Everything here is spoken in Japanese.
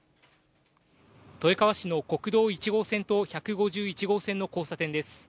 豊川市の国道１号線と１５１号線の交差点です。